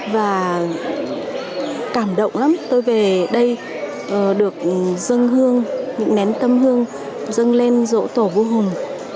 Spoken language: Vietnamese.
và cảm động lắm tôi về đây được dân hương những nén tâm hương dâng lên dỗ tổ vô hùng